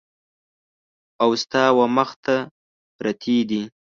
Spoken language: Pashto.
او ستا ومخ ته پرتې دي !